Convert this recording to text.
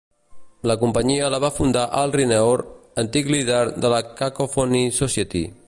La companyia la va fundar Al Ridenour, antic líder de la Cacophony Society.